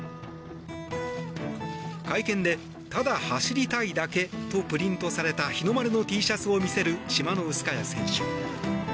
会見で、ただ走りたいだけとプリントされた日の丸のＴシャツを見せるチマノウスカヤ選手。